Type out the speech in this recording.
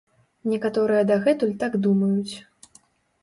Некаторыя дагэтуль так думаюць.